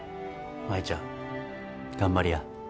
舞ちゃん頑張りや。